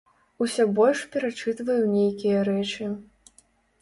Усё больш перачытваю нейкія рэчы.